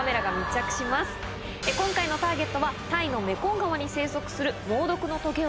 今回のターゲットはタイのメコン川に生息する。